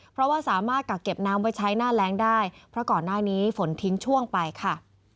เพราะว่าสามารถกักเก็บน้ำไว้ใช้หน้าแรงได้เพราะก่อนหน้านี้ฝนทิ้งช่วงไปค่ะ